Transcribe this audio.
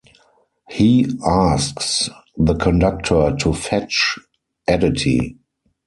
He asks the conductor to fetch Aditi.